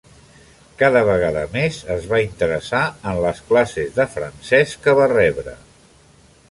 Cada vegada més es va interessar en les classes de francès que va rebre.